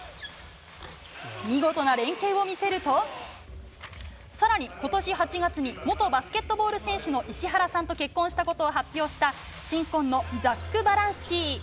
見事な連係を見せると更に、今年８月に元バスケットボール選手の石原さんと結婚したことを発表した新婚のザック・バランスキー。